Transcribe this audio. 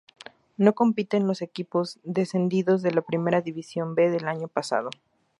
No compiten los equipos descendidos de la Primera División B del año pasado.